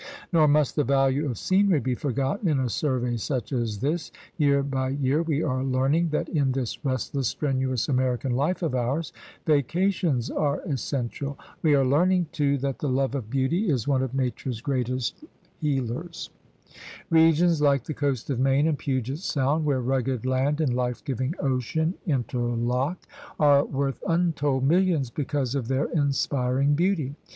Nor must the value of scenery be forgotten in a survey such as this. Year by year we are learning that in this restless, strenuous American life of ours vacations are essential. We are learning, too, that the love of beauty is one of Nature's greatest GEOGRAPHIC PROVINCES 87 healers. Regions like the coast of Maine and Puget Sound, where rugged land and life giving ocean in terlock, are worth untold millions because of their inspiring beauty.